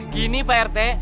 gini pak rt